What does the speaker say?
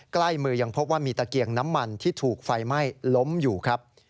ใกล้มือยังพบว่ามีตะเกียงน้ำมันที่ถูกไฟไหม้ล้มอยู่ครับ